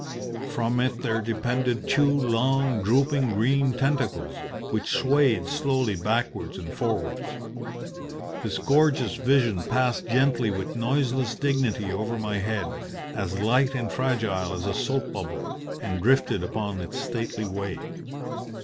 From it there depended two long, drooping green tentacles, which swayed slowly backwards and forwards. This gorgeous vision passed gently with noiseless dignity over my head, as light and fragile as a soap bubble, and drifted upon its stately way.